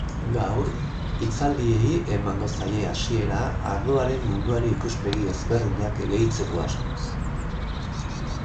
Gaur, hitzaldieiemango zaie hasiera ardoaren munduari ikuspegi ezberdinak gehitzeko asmoz.